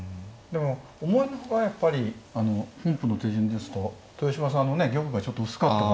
でも思いの外やっぱり本譜の手順ですと豊島さんのね玉がちょっと薄かった。